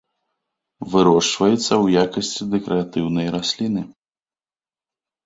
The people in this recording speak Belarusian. Вырошчваецца ў якасці дэкаратыўнай расліны.